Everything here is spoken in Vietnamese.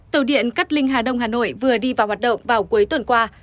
tàu điện cát linh hà đông hà nội vừa đi vào hoạt động vào cuối tuần qua